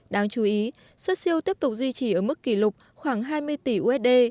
đáng chú ý xuất siêu tiếp tục duy trì ở mức kỷ lục khoảng hai mươi tỷ usd